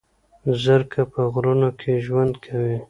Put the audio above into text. زرکه په غرونو کې ژوند کوي